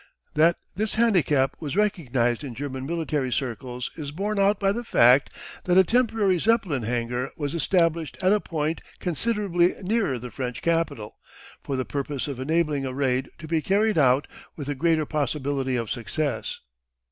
That this handicap was recognised in German military circles is borne out by the fact that a temporary Zeppelin hangar was established at a point considerably nearer the French capital, for the purpose of enabling a raid to be carried out with a greater possibility of success.